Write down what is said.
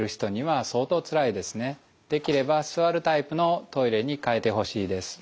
できれば座るタイプのトイレに変えてほしいです。